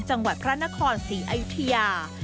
จังหวัดพระนคร๔อายุทยา